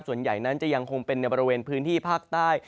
ส่วนใหญ่นั้นจะยังคงเป็นในบริเวณพื้นที่ภาคใต้